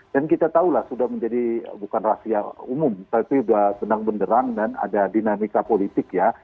dan kita tahu lah sudah menjadi bukan rahasia umum tapi sudah senang benderang dan ada dinamika politik ya